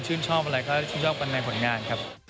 ชอบอะไรก็ชื่นชอบกันในผลงานครับ